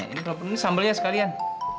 ini sambelnya sekalian